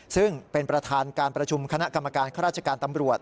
ซึ่งเป็นประธานการประชุมคณะกรรมการข้าราชการตำรวจ